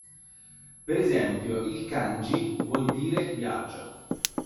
Per esempio, il kanji 旅 vuol dire "viaggio".